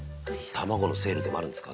卵のセールでもあるんですか？